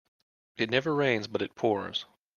It never rains but it pours.